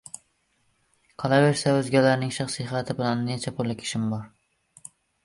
Qolaver- sa, o‘zgalarning shaxsiy hayoti bilan necha pullik ishim bor?